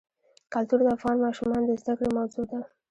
کلتور د افغان ماشومانو د زده کړې موضوع ده.